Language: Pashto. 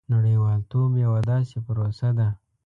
• نړیوالتوب یوه داسې پروسه ده.